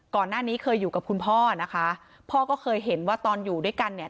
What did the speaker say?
ก่อนหน้านี้เคยอยู่กับคุณพ่อนะคะพ่อก็เคยเห็นว่าตอนอยู่ด้วยกันเนี่ย